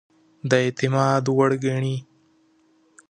د اعتماد وړ ګڼي.